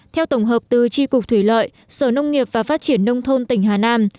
theo tổng hợp từ tri cục thủy lợi sở nông nghiệp và phát triển nông thôn tỉnh hà nam